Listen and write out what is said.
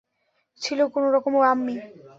ছিল কোনোরকম, আম্মি।